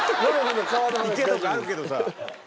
池とかあるけどさ。